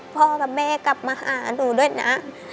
พ่อกับแม่กลับมาหาหนูด้วยนะ